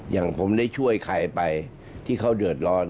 อย่างผมได้ช่วยใครไปที่เขาเดือดร้อน